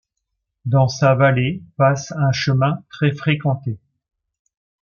Dans sa vallée passe un chemin très fréquenté.